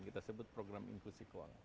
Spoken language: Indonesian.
kita sebut program inklusi keuangan